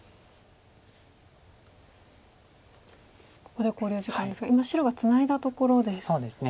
ここで考慮時間ですが今白がツナいだところです。